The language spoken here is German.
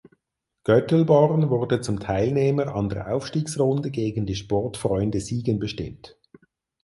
Göttelborn wurde zum Teilnehmer an der Aufstiegsrunde gegen die Sportfreunde Siegen bestimmt.